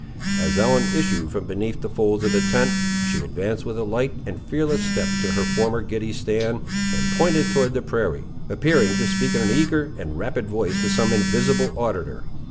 As Ellen issued from beneath the folds of the tent, she advanced with a light and fearless step to her former giddy stand, and pointed toward the prairie, appearing to speak in an eager and rapid voice to some invisible auditor.